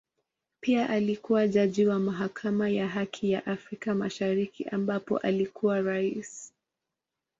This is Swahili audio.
Pia alikua jaji wa Mahakama ya Haki ya Afrika Mashariki ambapo alikuwa Rais.